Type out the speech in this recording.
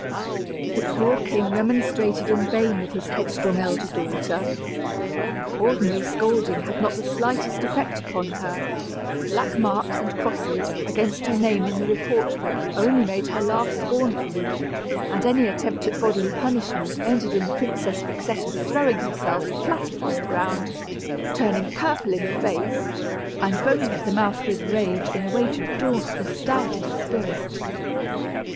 The poor king remonstrated in vain with his headstrong elder daughter. Ordinary scolding had not the slightest effect upon her; black marks and crosses against her name in the report book only made her laugh scornfully; and any attempt at bodily punishment ended in the Princess Vixetta throwing herself flat upon the ground, turning purple in the face, and foaming at the mouth with rage in a way to daunt the stoutest spirit.